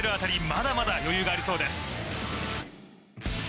まだまだ余裕がありそうです